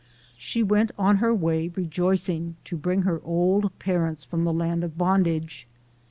She went on her way rejoicing, to bring her old parents from the land of bondage.